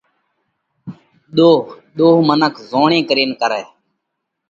ۮوه: ۮوه منک زوڻي ڪرينَ ڪرئه۔